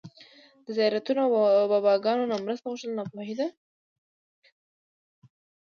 د زيارتونو او باباګانو نه مرسته غوښتل ناپوهي ده